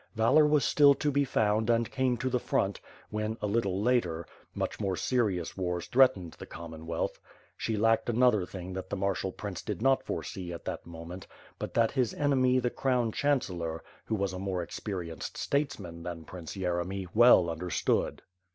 Valor was still to be found and came to the front, when a little later, much more serious wars threatened the Commonwealth. She lacked another thing that the martial prince did not foresee at this moment, but that his enemy the Crown Chancellor, who was a more experienced statesman than Prince Yeremy, well understood.